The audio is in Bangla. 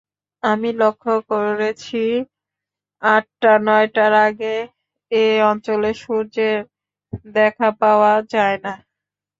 আমি লক্ষ করেছি, আটটা-নটার আগে এ অঞ্চলে সূর্যের দেখা পাওয়া যায় না।